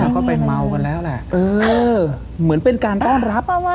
ก็ไปเมากันแล้วแหละเออเหมือนเป็นการต้อนรับ